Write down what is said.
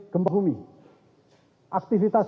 gempa bumi aktivitas